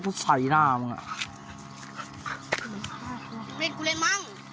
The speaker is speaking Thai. กูสายให้หน้ามันอ่ะ